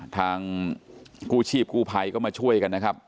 ทางกลูชีปกลูไพยก็มาช่วยกันนะครับ